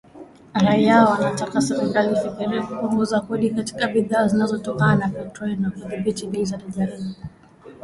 raia wanataka serikali ifikirie kupunguza kodi katika bidhaa zinazotokana na petroli na kudhibiti bei za rejareja